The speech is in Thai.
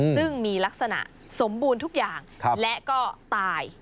ซึ่งมีลักษณะสมบูรณ์ทุกอย่างและก็ตาย